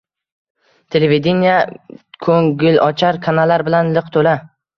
Televidenie ko`ngilochar kanallar bilan liq to`la